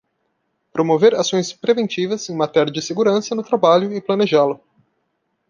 Promover ações preventivas em matéria de segurança no trabalho e planejá-lo.